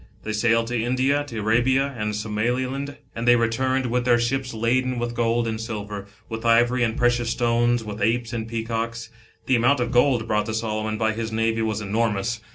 They sailed to India, to Arabia and Somaliland, and they returned with their ships laden with gold and silver, with ivory and precious stones, with apes and peacocks. The amount of gold brought to Solomon by his navy was enormous.